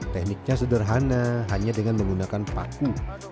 tekniknya sederhana hanya dengan menggunakan paku